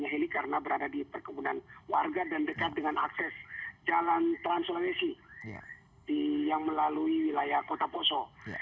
hanya helik karena berada di perkebunan warga dan dekat dengan akses jalan transulensi yang melalui wilayah kota poso